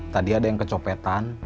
tadi ada yang kecopetan